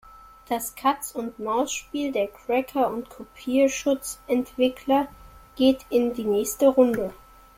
Das Katz-und-Maus-Spiel der Cracker und Kopierschutzentwickler geht in die nächste Runde.